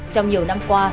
trong nhiều năm qua